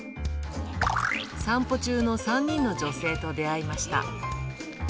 散歩中の３人の女性と出会いました。